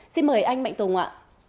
xin mời anh mạnh tùng ạ